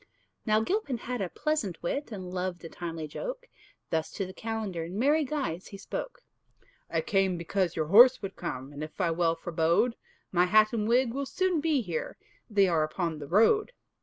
Now Gilpin had a pleasant wit, And loved a timely joke; And thus unto the calender In merry guise he spoke: "I came because your horse would come, And, if I well forebode, My hat and wig will soon be here, They are upon the road."